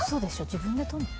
自分でとるの？